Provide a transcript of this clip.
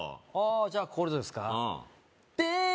ああじゃあこれどうですか？